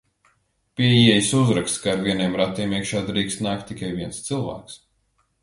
Pie ieejas uzraksts, ka ar vieniem ratiem iekšā drīkst nākt tikai viens cilvēks.